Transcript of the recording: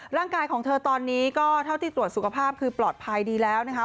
ของเธอตอนนี้ก็เท่าที่ตรวจสุขภาพคือปลอดภัยดีแล้วนะคะ